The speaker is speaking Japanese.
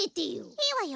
いいわよ。